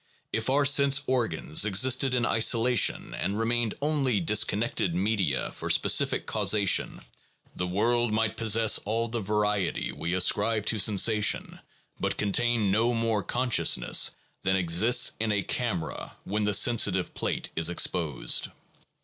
If our sense organs existed in isolation and remained only disconnected media for specific causation, the world might possess all the variety we ascribe to sensation, but contain no more consciousness than exists in a camera when the sensitive plate is exposed.